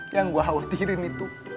yang gue khawatirin itu